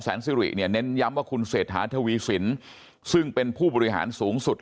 ซิริเนี่ยเน้นย้ำว่าคุณเศรษฐาทวีสินซึ่งเป็นผู้บริหารสูงสุด